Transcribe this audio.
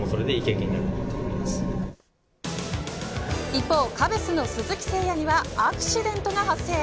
一方、カブスの鈴木誠也にはアクシデントが発生。